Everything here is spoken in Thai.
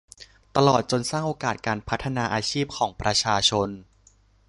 ตลอดจนสร้างโอกาสการพัฒนาอาชีพของประชาชน